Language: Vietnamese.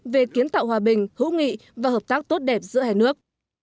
về kiến tạo hòa bình hữu nghị và hợp tác tốt đẹp giữa hai nước